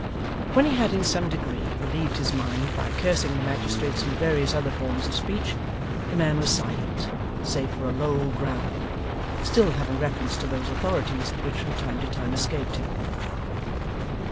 When he had in some degree relieved his mind by cursing the magistrates in various other forms of speech, the man was silent, save for a low growling, still having reference to those authorities, which from time to time escaped him.